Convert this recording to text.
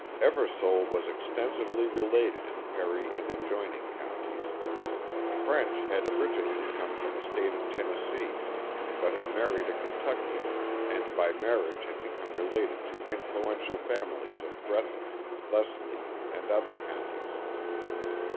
Eversole was extensively related in Perry and adjoining counties. French had originally come from the State of Tennessee, but had married a Kentuckian and by marriage had become related to influential families of Breathitt, Leslie and other counties.